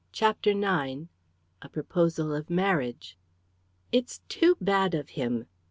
CHAPTER IX A PROPOSAL OF MARRIAGE "It's too bad of him!"